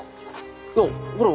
いやほら